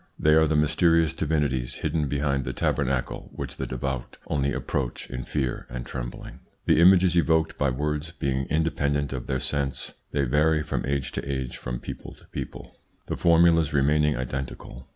They are the mysterious divinities hidden behind the tabernacle, which the devout only approach in fear and trembling. The images evoked by words being independent of their sense, they vary from age to age and from people to people, the formulas remaining identical.